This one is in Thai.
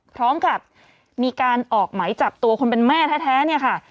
พร้อมกับมีการออกไหมจับตัวคนเป็นแม่แท้เนี่ยค่ะ